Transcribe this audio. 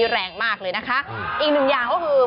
แรงมากเลยนะคะอีกหนึ่งอย่างก็คือ